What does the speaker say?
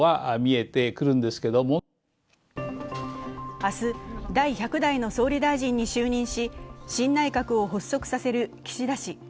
明日、第１００代の総理大臣に就任し、新内閣を発足させる岸田氏。